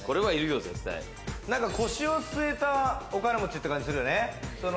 腰を据えたお金持ちって感じするよね。